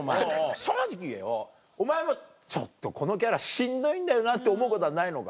正直お前も「ちょっとこのキャラしんどいんだよな」って思うことはないのか？